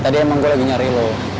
tadi emang gua lagi nyari lu